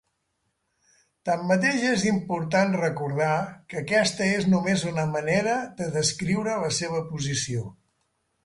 Tanmateix és important recordar que aquesta és només una manera de descriure la seva posició.